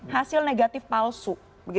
hasil negatif palsu